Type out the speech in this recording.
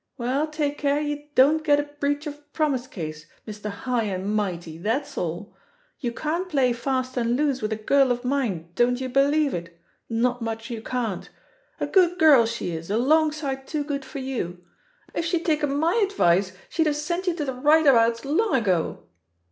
Well, take care you don't get a breach of promise case, Mr. High and Mighty, that's alll You can't play fast and loose with a girl of mine, don't you believe it. Not much you can't I A good girl she is, a long sight too good for youl If she'd taken my ad vice, she'd have sent you to the right abouts long ago."